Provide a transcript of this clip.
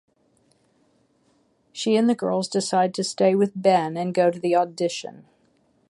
She and the girls decide to stay with Ben and go to the audition.